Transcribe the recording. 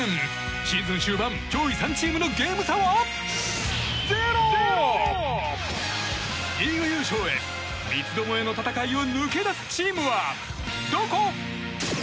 シーズン終盤、上位３チームのゲーム差は０！リーグ優勝へ三つどもえの戦いを抜け出すチームはどこ？